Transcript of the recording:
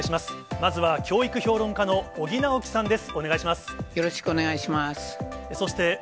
まずは教育評論家の尾木直樹さんです。